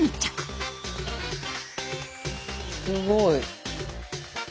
すごい。